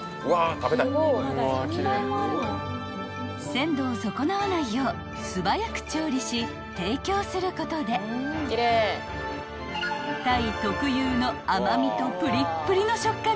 ［鮮度を損なわないよう素早く調理し提供することで鯛特有の甘味とぷりっぷりの食感が楽しめます］